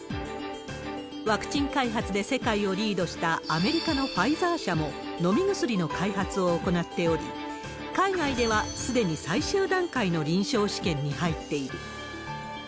ワクチン開発で世界をリードしたアメリカのファイザー社も、飲み薬の開発を行っており、海外ではすでに最終段階の臨床試験に入っている。